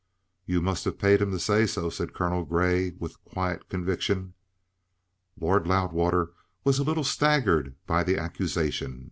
"You must have paid him to say so," said Colonel Grey with quiet conviction. Lord Loudwater was a little staggered by the accusation.